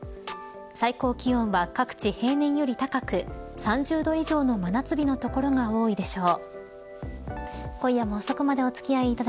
最高気温は各地平年より高く３０度以上の真夏日の所が多いでしょう。